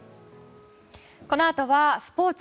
このあとはスポーツ。